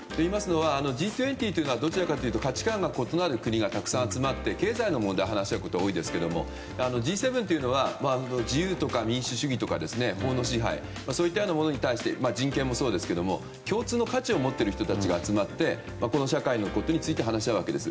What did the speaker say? Ｇ２０というのはどちらかというと価値観の異なる国がたくさん集まって経済の問題を話し合うことが多いですがＧ７というのは自由とか民主主義とか法の支配とか人権もそうですけど共通の価値を持っている人たちが集まってこの社会のことについて話し合うわけです。